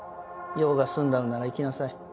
用が済んだのなら行きなさい。